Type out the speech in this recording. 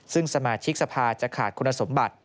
ซึ่งสมาชิกสภาจะขาดคุณสมบัติ